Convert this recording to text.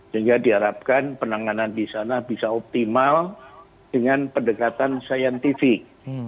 sehingga diharapkan penanganan di sana bisa optimal dengan pendekatan saintifik